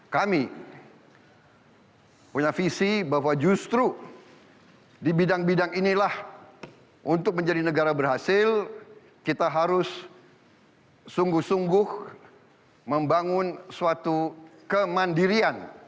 kami punya visi bahwa justru di bidang bidang inilah untuk menjadi negara berhasil kita harus sungguh sungguh membangun suatu kemandirian